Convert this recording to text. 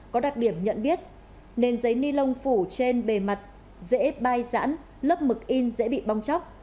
có đặc điểm nhận biết nền giấy ni lông phủ trên bề mặt dễ bay rãn lớp mực in dễ bị bong chóc